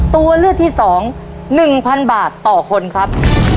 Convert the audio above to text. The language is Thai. ตัวเลือกที่๒๑๐๐๐บาทต่อคนครับ